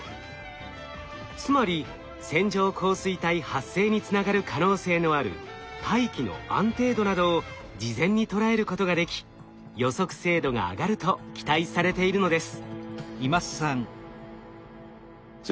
つまり線状降水帯発生につながる可能性のある大気の安定度などを事前にとらえることができ予測精度が上がると期待されているのです。